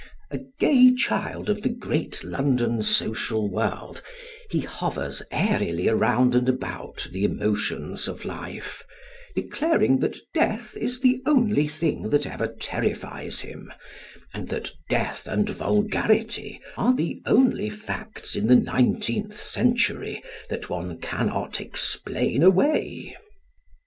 A gay child of the great London social world, he hovers airily around and about the emotions of life, declaring that death is the only thing that ever terrifies him, and that death and vulgarity are the only facts in the nineteenth century that one cannot explain away.